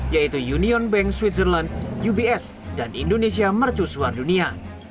yaitu union bank switzerland ubs dan indonesia mercusuar dunia